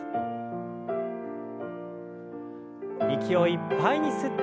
息をいっぱいに吸って。